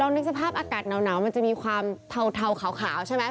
นึกสภาพอากาศหนาวมันจะมีความเทาขาวใช่ไหม